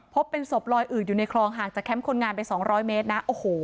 พบเป็นศพลอยอืดอยู่ในคลองห่างจากแคมป์คนงานไป๒๐๐เมตรนะโอ้โห